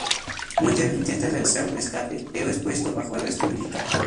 Mulder intenta realizar un escape, pero es puesto bajo arresto militar.